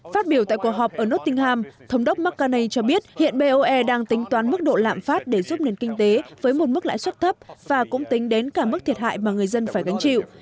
phát biểu tại cuộc họp ở netingham thống đốc mccaine cho biết hiện boe đang tính toán mức độ lạm phát để giúp nền kinh tế với một mức lãi suất thấp và cũng tính đến cả mức thiệt hại mà người dân phải gánh chịu